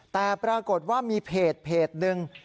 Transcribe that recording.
แต่ปรากฏว่ามีเพจหนึ่ง